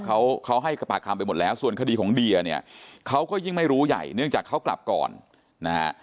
เขาเขาให้ปากคำไปหมดแล้วส่วนคดีของเดียเนี่ยเขาก็ยิ่งไม่รู้ใหญ่เนื่องจากเขากลับก่อนนะฮะ